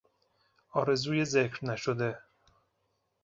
آرزوی ذکر نشده